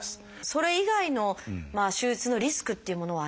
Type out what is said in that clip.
それ以外の手術のリスクっていうものはありますか？